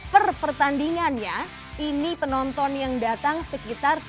per pertandingannya ini penonton yang datang sekitar sembilan belas tiga ratus dua puluh dua